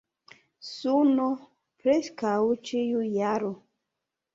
Suno preskaŭ ĉiu jaro.